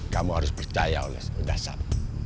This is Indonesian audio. kamu harus percaya oleh dasar